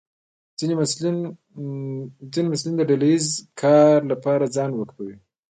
ځینې محصلین د ډله ییز کار لپاره ځان وقفوي.